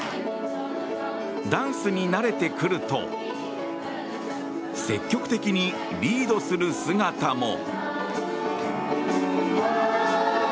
ダンスに慣れてくると積極的にリードする姿も。